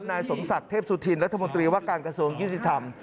นายสมศักดิ์เทพสุธินรัฐมนตรีว่าการกระทรวงยุติธรรม